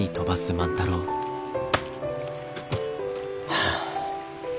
はあ。